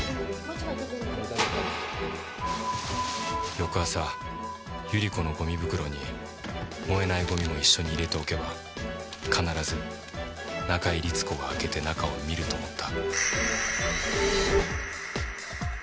翌朝百合子のゴミ袋に燃えないゴミも一緒に入れておけば必ず中井律子が開けて中を見ると思った。